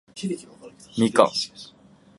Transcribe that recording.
みかん